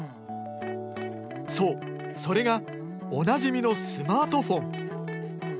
そうそれがおなじみのスマートフォン。